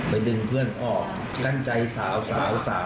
ไปดึงเพื่อนผมออกกั้นใจสาวสาวสาว